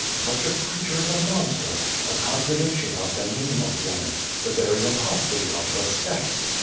Such a creature is a monster, a contradiction of the name of woman, the very apostate of her sex.